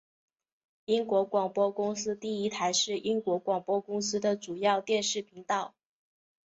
英国广播公司第一台是英国广播公司的主要电视频道。